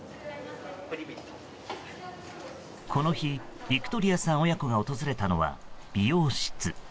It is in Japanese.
この日、ビクトリアさん親子が訪れたのは美容室。